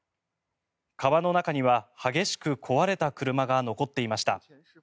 川の中には激しく壊れた車が残っていました。